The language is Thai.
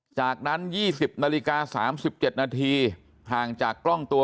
จากนั้น๒๐นาฬิกา๓๗นาทีห่างจากกล้องตัว